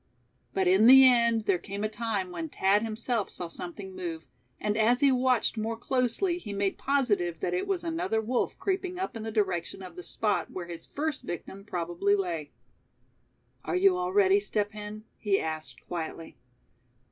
But in the end there came a time when Thad himself saw something move, and as he watched more closely he made positive that it was another wolf creeping up in the direction of the spot where his first victim probably lay. "Are you all ready, Step Hen?" he asked, quietly.